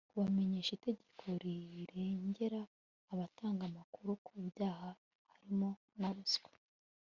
kubamenyesha itegeko rirengera abatanga amakuru ku byaha harimo na ruswa